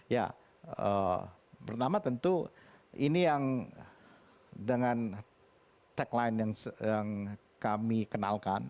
ya pertama tentu ini yang dengan tagline yang kami kenalkan